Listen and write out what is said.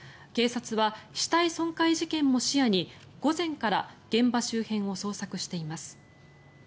警察は死体損壊事件も視野に午前から現場周辺を捜索しています。